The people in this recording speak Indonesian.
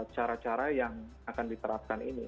cara cara yang akan diterapkan ini